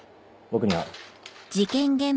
僕には。